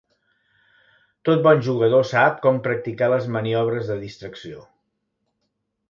Tot bon jugador sap com practicar les maniobres de distracció.